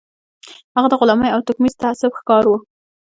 هغه د غلامۍ او توکميز تعصب ښکار و